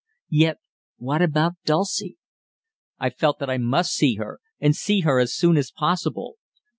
Yet what about Dulcie? I felt that I must see her, and see her as soon as possible.